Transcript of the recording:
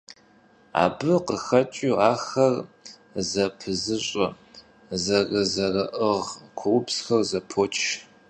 Абы къыхэкӀыу, ахэр зэпызыщӀэ, зэрызэрыӀыгъ къуэпсхэр зэпоч.